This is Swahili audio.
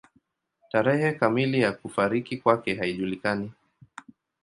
Tarehe kamili ya kufariki kwake haijulikani.